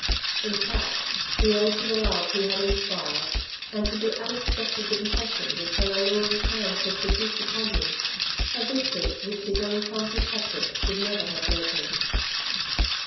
In fact, he owed to the love he had inspired, and to the unexpected impression which her alluring charms had produced upon him, a victory to which his own clumsy tactics would never have led him.